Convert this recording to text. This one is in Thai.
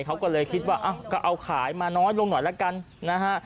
เขาก็เลยคิดว่าก็เอาขายมาน้อยลงหน่อยละกันนะฮะ